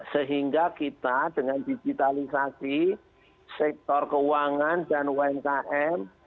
sehingga kita dengan digitalisasi sektor keuangan dan umkm